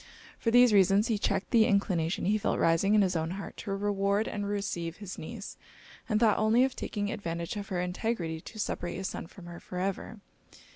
For these reasons he checked the inclination he felt rising in his own heart to reward and receive his niece, and thought only of taking advantage of her integrity to separate his son from her for ever.